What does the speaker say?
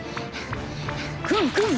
クンクン！